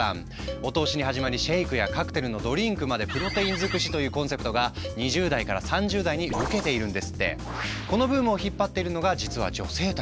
お通しに始まりシェイクやカクテルのドリンクまでプロテインづくしというコンセプトがこのブームを引っ張っているのが実は女性たち。